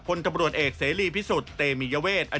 พลตำรวจเอกเสรีพิสุทธิ์เตมียเวท